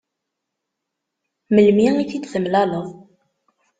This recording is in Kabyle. Melmi i t-id-temlaleḍ?